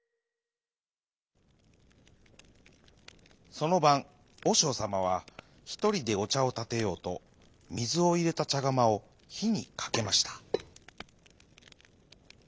そのばんおしょうさまはひとりでおちゃをたてようとみずをいれたちゃがまをひにかけました。